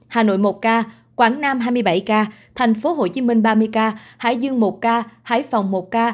hà nội một ca quảng nam hai mươi bảy ca thành phố hồ chí minh ba mươi ca hải dương một ca hải phòng một ca